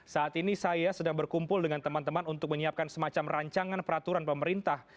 saat ini saya sedang berkumpul dengan teman teman untuk menyiapkan semacam rancangan peraturan pemerintah